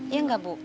iya gak bu